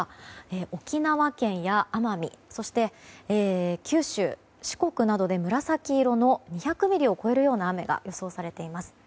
沖縄県や奄美そして九州・四国などで紫色の２００ミリを超えるような雨が予想されています。